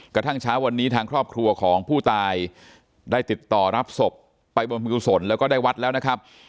กระทั่งเช้าวันนี้ทางครอบครัวของผู้ตายได้ติดต่อรับศพไปบรรพิกุศลแล้วก็ได้วัดแล้วนะครับ